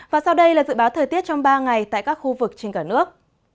và sau đây là dự báo thời tiết trong ba ngày tại các khu vực trên cả nước